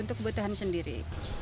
untuk kebutuhan sendiri